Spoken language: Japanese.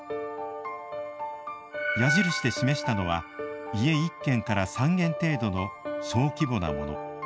矢印で示したのは家１軒から３軒程度の小規模なもの。